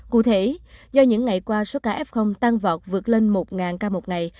cụ thể do những ngày qua số ca f tăng vọt vượt lên một ca một ngày